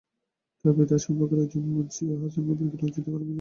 তাঁর বিরুদ্ধে আসামিপক্ষের আইনজীবী মুন্সি আহসান কবিরকে লাঞ্ছিত করার অভিযোগ আনা হয়েছিল।